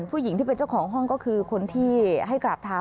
ผู้หญิงที่เป็นเจ้าของห้องก็คือคนที่ให้กราบเท้า